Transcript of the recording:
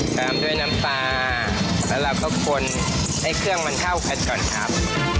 ตามด้วยน้ำตาแล้วเราก็คนให้เครื่องมันเท่ากันก่อนครับ